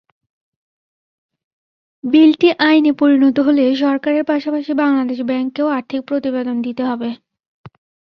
বিলটি আইনে পরিণত হলে সরকারের পাশাপাশি বাংলাদেশ ব্যাংককেও আর্থিক প্রতিবেদন দিতে হবে।